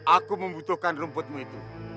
aku membutuhkan rumputmu itu